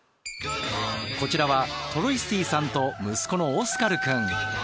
こちらはトロイスティさんと息子のオスカルくん。